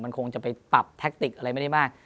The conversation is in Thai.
มันคงจะไปปรับแท็กติกอะไรไม่ได้มาก